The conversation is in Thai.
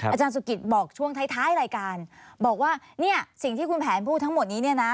อาจารย์สุกิตบอกช่วงท้ายท้ายรายการบอกว่าเนี่ยสิ่งที่คุณแผนพูดทั้งหมดนี้เนี่ยนะ